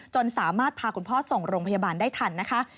จนสามารถพาคุณพ่อส่งโรงพยาบาลได้ทันนะคะ